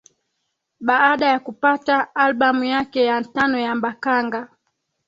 Baada ya kupata albamu yake ya tano ya Mbaqanga